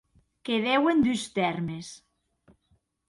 Que deuen dus tèrmes.